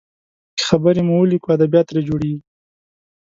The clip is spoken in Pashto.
که خبرې مو وليکو، ادبيات ترې جوړیږي.